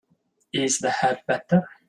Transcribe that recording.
Is the head better?